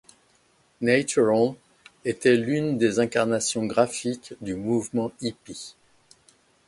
Natural était l'une des incarnations graphique du mouvement hippie.